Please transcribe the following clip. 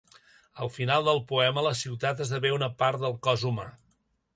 Al final del poema, la ciutat esdevé una part del cos humà.